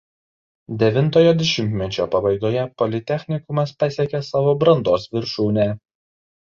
Devintojo dešimtmečio pabaigoje politechnikumas pasiekė savo brandos viršūnę.